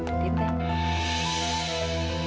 masih banyak yang harus dijamukin ya